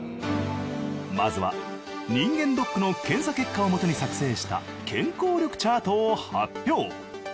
まずは人間ドックの検査結果をもとに作成した健康力チャートを発表。